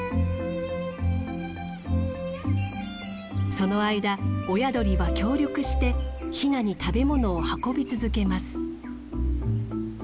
その間親鳥は協力してヒナに食べ物を運び続けます。